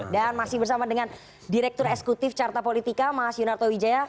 dan masih bersama dengan direktur esekutif carta politika mas yunarto wijaya